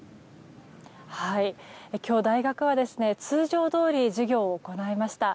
今日、大学は通常どおり授業を行いました。